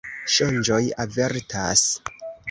Sonĝoj avertas.